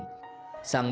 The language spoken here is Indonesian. sang bayi akhirnya menangis